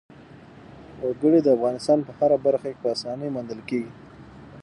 وګړي د افغانستان په هره برخه کې په اسانۍ موندل کېږي.